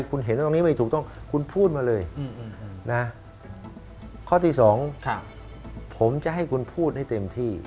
คุณเห็นตรงนี้ไม่ถูกต้องคุณพูดมาเลยนะข้อที่สองผมจะให้คุณพูดให้เต็มที่